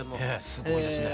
すごいですね。